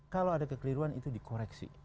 kalau ada kekeliruan itu dikoreksi